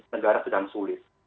negara sedang sulit